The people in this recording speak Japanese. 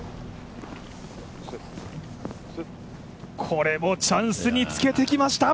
これもチャンスにつけてきました。